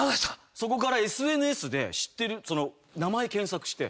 そこからＳＮＳで知ってる名前検索して。